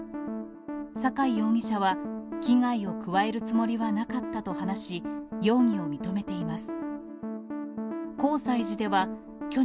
酒井容疑者は、危害を加えるつもりはなかったと話し、容疑を認めています。